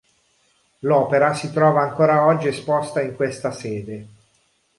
L'opera si trova ancora oggi esposta in questa sede.